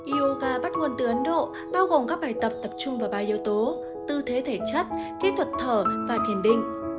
yoga bắt nguồn từ ấn độ bao gồm các bài tập tập trung vào ba yếu tố tư thế thể chất kỹ thuật thở và thiền định